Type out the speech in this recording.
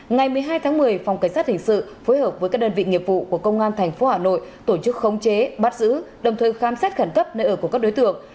ngày một mươi hai tháng một mươi phòng cảnh sát hình sự phối hợp với các đơn vị nghiệp vụ của công an tp hà nội tổ chức khống chế bắt giữ đồng thời khám xét khẩn cấp nơi ở của các đối tượng